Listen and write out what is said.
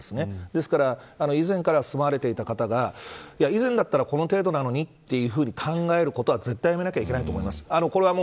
ですから以前から住まわれていた方が以前だったらこの程度なのにと考えることは絶対やめないといけないと思います。